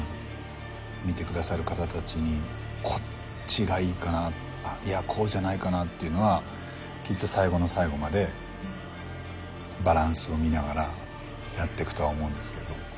見てくださる方たちにこっちがいいかないやこうじゃないかなっていうのはきっと最後の最後までバランスを見ながらやっていくとは思うんですけど。